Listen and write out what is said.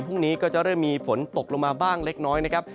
พรุ่งนี้ก็จะเริ่มมีฝนตกลงมาบ้างเล็กน้อยนะครับ